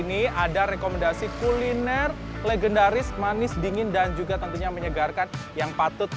ini ada rekomendasi kuliner legendaris manis dingin dan juga tentunya menyegarkan yang patut